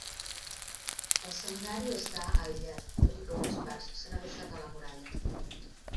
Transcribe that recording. El Seminari està aïllat tot i que unes parts s'han adossat a la muralla.